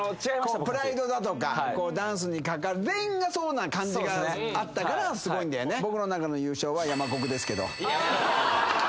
こうプライドだとかダンスにかかる全員がそうな感じがあったからすごいんだよねですけど